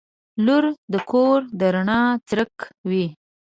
• لور د کور د رڼا څرک وي.